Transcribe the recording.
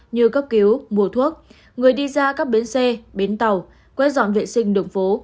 như cấp cứu mùa thuốc người đi ra các bến xe bến tàu quét dọn vệ sinh đường phố